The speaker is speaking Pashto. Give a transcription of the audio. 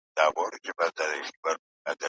ادبیات د کلتور ساتونکي دي.